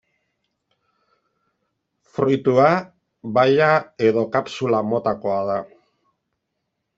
Fruitua baia- edo kapsula-motakoa da.